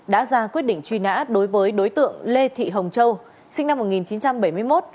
đã ra quyết định truy nã đối với đối tượng lê thị hồng châu sinh năm một nghìn chín trăm bảy mươi một